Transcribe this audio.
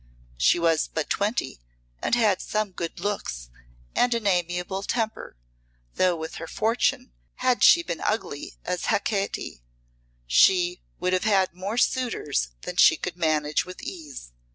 She was but twenty and had some good looks and an amiable temper, though with her fortune, had she been ugly as Hecate, she would have had more suitors than she could manage with ease.